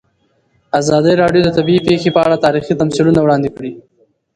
ازادي راډیو د طبیعي پېښې په اړه تاریخي تمثیلونه وړاندې کړي.